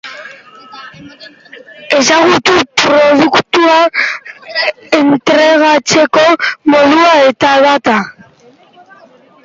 Ezagutu produktua entregatzeko modua eta data.